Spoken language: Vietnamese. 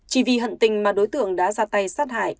chỉ vì hận tình mà đối tượng đã ra tay sát hại